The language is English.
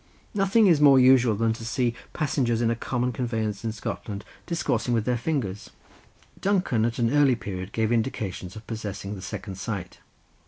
Nothing is more usual than to see passengers in a common conveyance in Scotland discoursing with their fingers. Duncan at an early period gave indications of possessing the second sight.